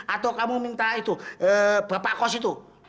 atau kamu minta itu bapak kos itu